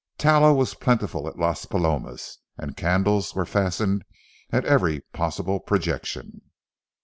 Tallow was plentiful at Las Palomas, and candles were fastened at every possible projection.